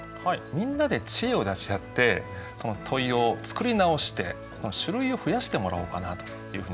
みんなで知恵を出し合ってその問いを作り直して種類を増やしてもらおうかなというふうに考えてます。